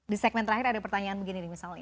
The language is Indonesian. di segmen terakhir ada pertanyaan begini nih misalnya